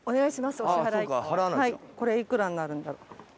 これ幾らになるんだろう？